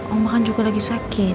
allah kan juga lagi sakit